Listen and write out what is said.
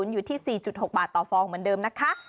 อยู่ที่๔๖บาทต่อฟองเหมือนเดิมนะคะ